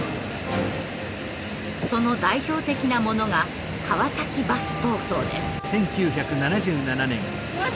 その代表的なものが「川崎バス闘争」です。